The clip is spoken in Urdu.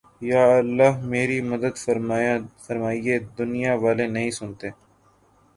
یا اللہ میری مدد فرمایہ دنیا والے نہیں سنتے